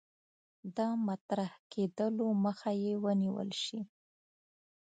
د مطرح کېدلو مخه یې ونیول شي.